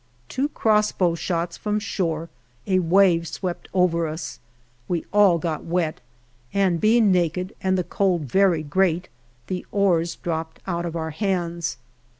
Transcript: Two crossbow shots from shore a wave swept over us, we all got wet, and being naked and the cold very great, the oars dropped out of our hands.